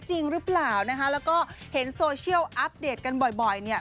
จริงหรือเปล่านะคะแล้วก็เห็นโซเชียลอัปเดตกันบ่อยเนี่ย